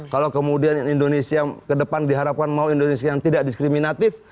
kalau kemudian indonesia ke depan diharapkan mau indonesia yang tidak diskriminatif